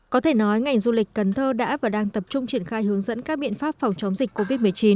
có thể nói ngành du lịch cần thơ đã và đang tập trung triển khai hướng dẫn các biện pháp phòng chống dịch covid một mươi chín